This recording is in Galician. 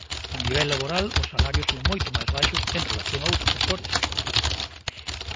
A nivel laboral os salarios son moito máis baixos en relación a outros sectores.